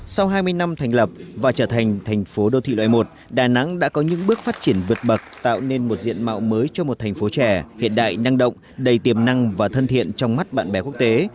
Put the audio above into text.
sau hai mươi năm thành lập và trở thành thành phố đô thị loại một đà nẵng đã có những bước phát triển vượt bậc tạo nên một diện mạo mới cho một thành phố trẻ hiện đại năng động đầy tiềm năng và thân thiện trong mắt bạn bè quốc tế